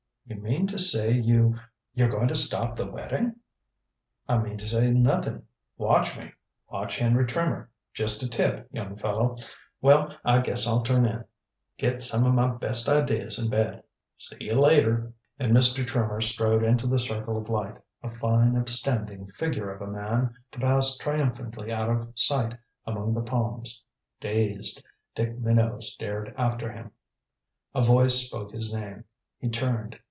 "You mean to say you you're going to stop the wedding?" "I mean to say nothing. Watch me. Watch Henry Trimmer. Just a tip, young fellow. Well, I guess I'll turn in. Get some of my best ideas in bed. See you later." And Mr. Trimmer strode into the circle of light, a fine upstanding figure of a man, to pass triumphantly out of sight among the palms. Dazed, Dick Minot stared after him. A voice spoke his name. He turned.